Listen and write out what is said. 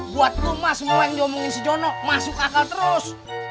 buat rumah semua yang diomongin si jono masuk akal terus